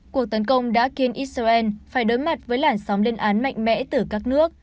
cuộc tấn công đã khiến israel phải đối mặt với làn sóng lên án mạnh mẽ từ các nước